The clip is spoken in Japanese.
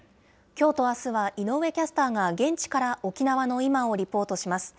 きょうとあすは、井上キャスターが現地から沖縄の今をリポートします。